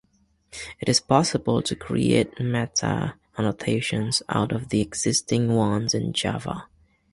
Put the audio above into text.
It is possible to create meta-annotations out of the existing ones in Java.